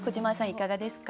いかがですか？